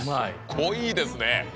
濃いですね！